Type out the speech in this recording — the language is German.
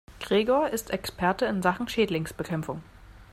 Gregor ist Experte in Sachen Schädlingsbekämpfung.